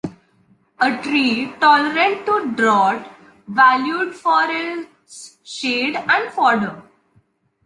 A tree tolerant to drought, valued for its shade and fodder.